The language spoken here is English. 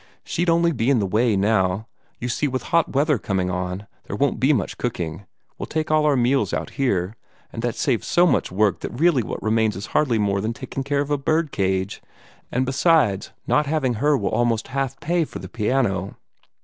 "She'd only be in the way now. You see, with hot weather coming on, there won't be much cooking. We'll take all our meals out here, and that saves so much work that really what remains is hardly more than taking care of a bird cage. And, besides, not having her will almost half pay for the piano."